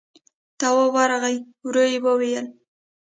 تواب ورغی، ورو يې وويل: